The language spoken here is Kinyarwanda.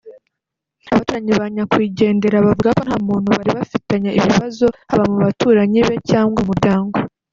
Abaturanyi ba Nyakwigendera bavuga ko nta muntu bari bafitanye ibibazo haba mu baturanyi be cyangwa mu muryango